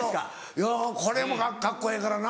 いやこれもカッコええからな。